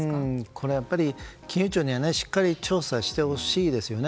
これは金融庁にはしっかり調査してほしいですよね。